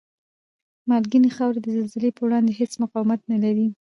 مالګینې خاورې د زلزلې په وړاندې هېڅ مقاومت نلري؟